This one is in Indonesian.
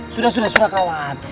sudah sudah sudah kawan